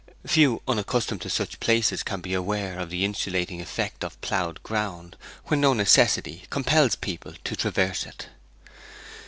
Few unaccustomed to such places can be aware of the insulating effect of ploughed ground, when no necessity compels people to traverse it.